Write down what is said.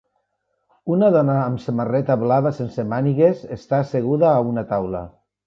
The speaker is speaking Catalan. Una dona amb samarreta blava sense mànigues està asseguda a una taula